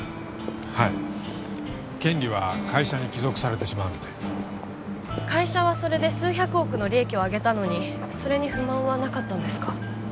はい権利は会社に帰属されてしまうので会社はそれで数百億の利益を上げたのにそれに不満はなかったんですか？